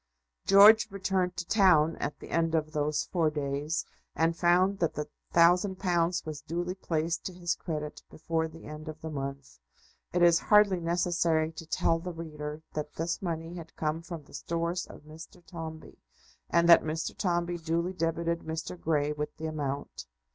George returned to town at the end of those four days, and found that the thousand pounds was duly placed to his credit before the end of the month. It is hardly necessary to tell the reader that this money had come from the stores of Mr. Tombe, and that Mr. Tombe duly debited Mr. Grey with the amount.